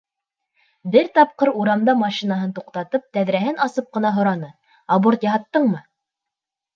Бер тапҡыр урамда машинаһын туҡтатып, тәҙрәһен асып ҡына һораны: «Аборт яһаттыңмы?»